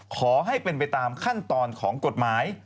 ขอให้เป็นไปตามขั้นตอนของกฎหมาย